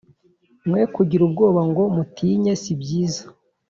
Mwe kugira ubwoba ngo mutinye sibyiza